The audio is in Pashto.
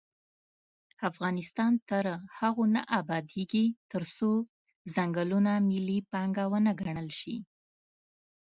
افغانستان تر هغو نه ابادیږي، ترڅو ځنګلونه ملي پانګه ونه ګڼل شي.